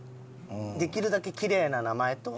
できるだけきれいな名前と。